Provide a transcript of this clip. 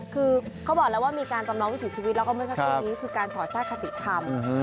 คือเขาบอกแล้วว่ามีการจำลองวิถีชีวิตแล้วก็เมื่อสักครู่นี้คือการสอดแทรกคติธรรม